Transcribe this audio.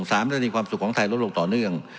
สถานีความสุขของไทยลดลงต่อเนื่อง